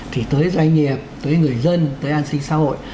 thì tới doanh nghiệp tới người dân tới an sinh xã hội